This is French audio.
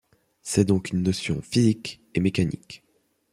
C'est donc une notion physique et mécanique.